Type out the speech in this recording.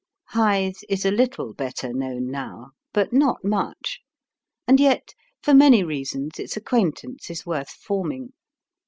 Hythe is a little better known now, but not much. And yet for many reasons its acquaintance is worth forming.